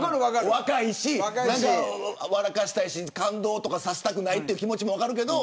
若いし笑かしたいし感動とかさせたくない気持ちも分かるけど。